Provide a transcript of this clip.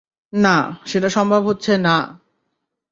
না, সেটা সম্ভব হচ্ছে না!